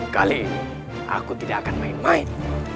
kali ini aku tidak akan main main